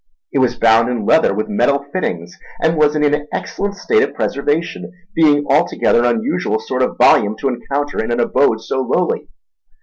It was bound in leather with metal fittings, and was in an excellent state of preservation; being altogether an unusual sort of volume to encounter in an abode so lowly.